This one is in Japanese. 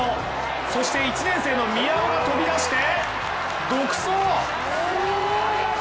そして、１年生の宮尾が飛び出して独走！